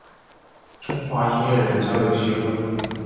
中华音乐人交流协会